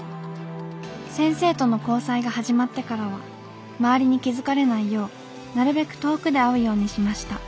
先生との交際がはじまってからは周りに気付かれないようなるべく遠くで会うようにしました。